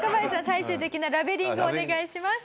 最終的なラベリングをお願いします。